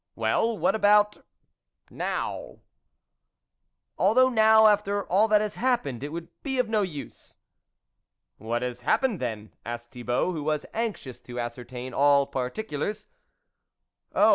" Well, what about ... now ?"" Although now, after all that has hap pened, it would be of no use." " What has happened then ?" asked Thibault, who was anxious to ascertain all particulars. " Oh